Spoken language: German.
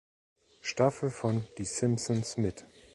Staffel von "Die Simpsons mit".